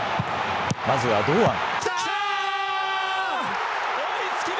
まずは堂安。